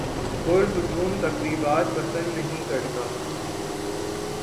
پر ہجوم تقریبات پسند نہیں کرتا